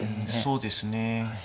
そうですね。